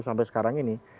sampai sekarang ini